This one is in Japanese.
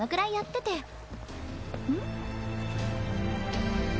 ん？